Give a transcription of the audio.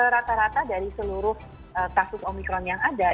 rata rata dari seluruh kasus omikron yang ada